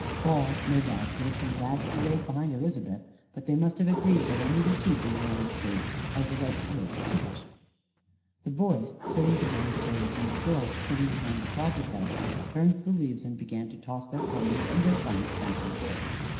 All, no doubt, would have been glad to parade behind Elizabeth; but they must have agreed that only the sheep in the United States has the right to look sheepish. The boys, sitting behind the Birds, and the girls sitting behind the Quadrupeds, turned the leaves and began to toss their comments and their fun back and forth.